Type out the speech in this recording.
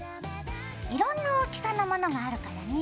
いろんな大きさのものがあるからね。